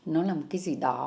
nó là một cái gì đó